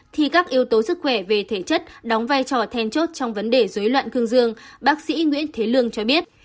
thì các yếu tố sức khỏe về thể chất đóng vai trò then chốt trong vấn đề dối loạn cương dương bác sĩ nguyễn thế lương cho biết